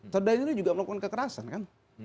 saudara nino juga melakukan kekerasan kan